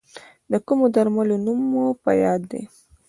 د کومو درملو نوم مو په یاد دی؟